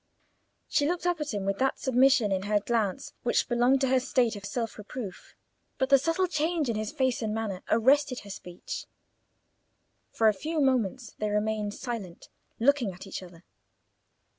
She looked up at him with that submission in her glance which belonged to her state of self reproof; but the subtle change in his face and manner arrested her speech. For a few moments they remained silent, looking at each other.